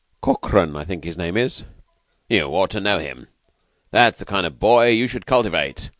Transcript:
"Corkran, I think his name is." "You ought to know him. That's the kind of boy you should cultivate.